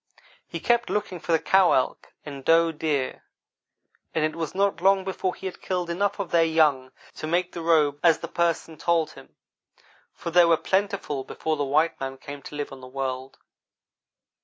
He kept looking for the cow elk and doe deer, and it was not long before he had killed enough of their young to make the robe as the Person told him, for they were plentiful before the white man came to live on the world.